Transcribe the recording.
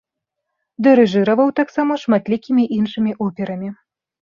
Дырыжыраваў таксама шматлікімі іншымі операмі.